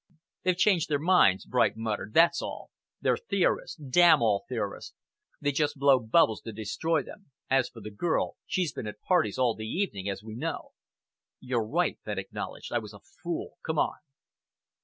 "They've changed their minds," Bright muttered, "that's all. They're theorists. Damn all theorists! They just blow bubbles to destroy them. As for the girl, she's been at parties all the evening, as we know." "You're right," Fenn acknowledged. "I was a fool. Come on."